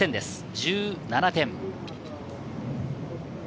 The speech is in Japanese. １７点。